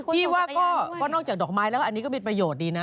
พี่ว่าก็นอกจากดอกไม้แล้วอันนี้ก็เป็นประโยชน์ดีนะ